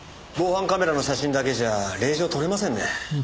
防犯カメラの写真だけじゃ令状取れませんね。